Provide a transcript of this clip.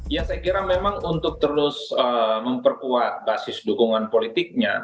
ya saya kira memang untuk terus memperkuat basis dukungan politiknya